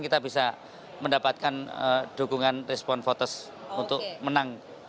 kita bisa mendapatkan dukungan respon voters untuk menang